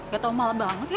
gatau malem banget ya